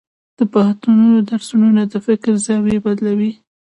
د پوهنتون درسونه د فکر زاویې بدلوي.